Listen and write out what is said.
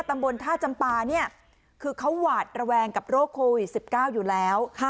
ตำบลท่าจำปาเนี่ยคือเขาหวาดระแวงกับโรคโควิด๑๙อยู่แล้ว